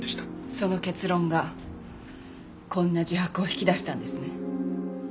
その結論がこんな自白を引き出したんですね。